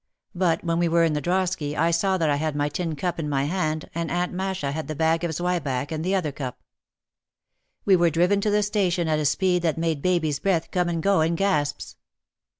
But when we were in the drosky I saw that I had my tin cup in my hand and Aunt Masha had the bag of zwieback and the other cup. We were driven to the station at a speed that made baby's breath come and go in gasps.